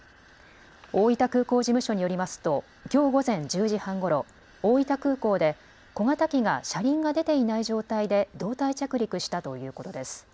大分空港事務所によりますときょう午前１０時半ごろ大分空港で小型機が車輪が出ていない状態で胴体着陸したということです。